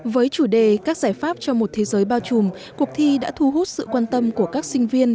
với chủ đề các giải pháp cho một thế giới bao trùm cuộc thi đã thu hút sự quan tâm của các sinh viên